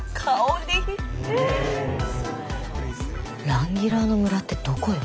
ランギラーノ村ってどこよ。